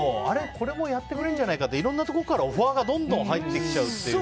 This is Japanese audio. これもやってくれるんじゃないかっていろんなところからオファーがどんどん入ってきちゃうというね。